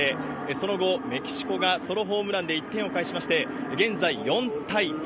その後、メキシコがソロホームランで１点を返しまして、現在、４対１。